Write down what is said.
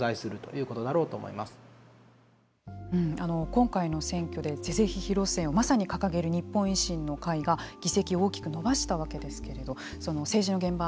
今回の選挙で是々非々路線をまさに掲げる日本維新の会が議席を大きく伸ばしたわけですけれども政治の現場